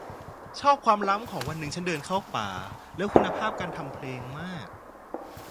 ชอบความล้ำของวันหนึ่งฉันเดินเข้าป่า และคุณภาพการทำเพลงมาก